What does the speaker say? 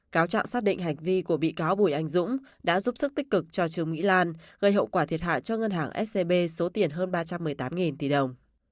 cáo trạng xác định hành vi của bị cáo bùi anh dũng đã giúp sức tích cực cho trương mỹ lan gây hậu quả thiệt hại cho ngân hàng scb số tiền hơn ba trăm một mươi tám tỷ đồng